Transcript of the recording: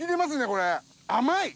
これ甘い！